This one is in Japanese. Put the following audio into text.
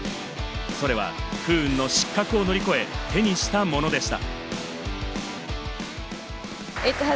それは不運の失格を乗り越え手にしたものでした。